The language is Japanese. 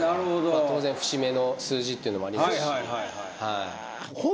当然節目の数字っていうのもありますし。